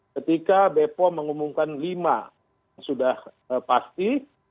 ketika bepom mengumumkan lima yang sudah pasti